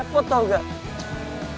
repot tau gak